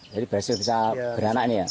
jadi berhasil bisa beranak nih ya